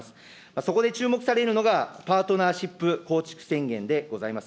そこで注目されるのは、パートナーシップ構築宣言でございます。